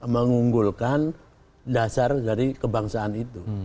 mengunggulkan dasar dari kebangsaan itu